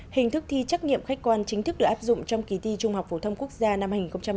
hình thức thi trắc nghiệm khách quan chính thức được áp dụng trong kỳ thi trung học phổ thông quốc gia năm hai nghìn một mươi chín